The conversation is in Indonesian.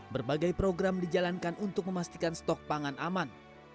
berbagai program dijalankan untuk memastikan stok pangan aman